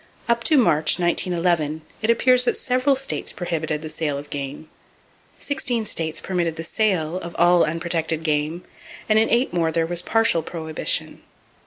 Up to March, 1911, it appears that several states prohibited the sale of game, sixteen states permitted the sale of all unprotected game, and in eight more there was partial prohibition.